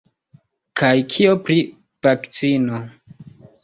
Kaj kio pri vakcino?